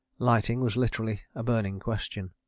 ] Lighting was literally a burning question.